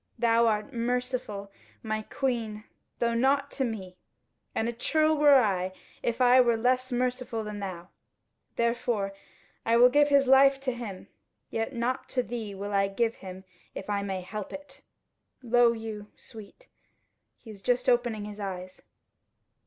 Thou art merciful, my Queen, though not to me, and a churl were I if I were less merciful than thou. Therefore will I give his life to him, yet not to thee will I give him if I may help it Lo you, Sweet! he is just opening his eyes."